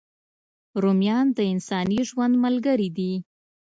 رومیان د انساني ژوند ملګري دي